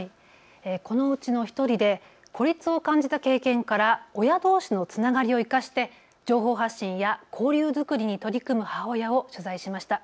このうちの１人で孤立を感じた経験から親どうしのつながりを生かして情報発信や交流作りに取り組む母親を取材しました。